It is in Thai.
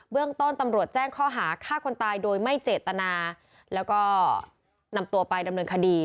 เรื่องต้นตำรวจแจ้งข้อหาฆ่าคนตายโดยไม่เจตนาแล้วก็นำตัวไปดำเนินคดี